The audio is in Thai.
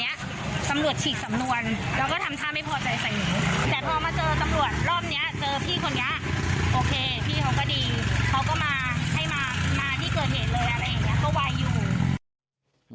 อะไรอย่างเงี้ยคือไวอยู่